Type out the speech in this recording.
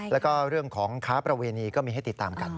แล้วก็เรื่องของค้าประเวณีก็มีให้ติดตามกัน